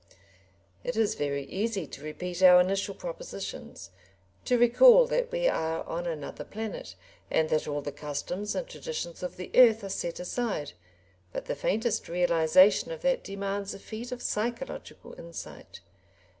It is very easy to repeat our initial propositions, to recall that we are on another planet, and that all the customs and traditions of the earth are set aside, but the faintest realisation of that demands a feat of psychological insight.